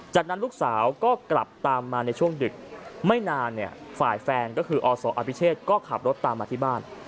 จากนั้นลูกสาวก็กลับตามมาในช่วงดึกไม่นานเนี่ยฝ่ายแฟนก็คืออศอภิเชษก็ขับรถตามมาที่บ้าน